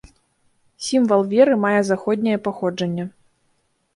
Сімвал веры мае заходняе паходжанне.